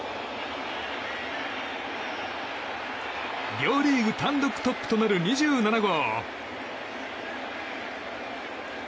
両リーグ単独トップとなる２７号！